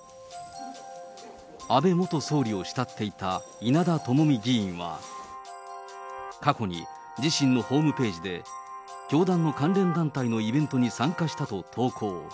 安倍元総理を慕っていた稲田朋美議員は、過去に自身のホームページで、教団の関連団体のイベントに参加したと投稿。